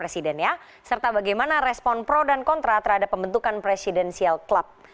presiden ya serta bagaimana respon pro dan kontra terhadap pembentukan presidensial club